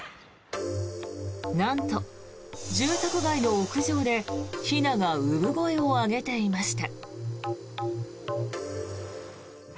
なんと住宅街の屋上でひなが産声を上げていました。